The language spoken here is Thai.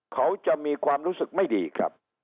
เขาจะมีความรู้สึกไม่ดีครับ